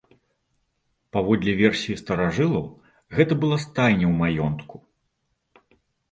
Паводле версіі старажылаў, гэта была стайня ў маёнтку.